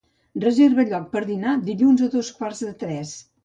Reserva lloc per dinar dilluns a dos quarts de tres.